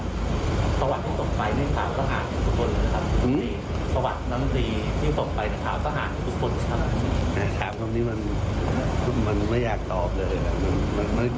สวัสดีที่สมไปในข่าวทหารทุกคนสวัสดีที่สมไปในข่าวทหารทุกคน